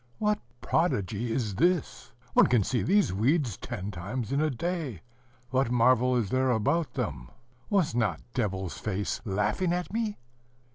"What prodigy is this? one can see these weeds ten times in a day: what marvel is there about them? was not devil's face laughing at me?"